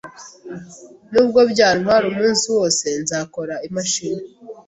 Nubwo byantwara umunsi wose, nzakora imashini.